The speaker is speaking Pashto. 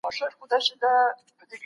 تاسي کله د پښتو ژبي په اهمیت پوه سواست؟